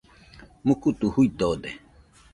Mukutu juidode.